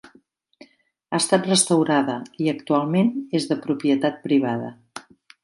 Ha estat restaurada i actualment és de propietat privada.